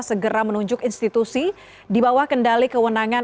segera menunjuk institusi di bawah kendali kewenangan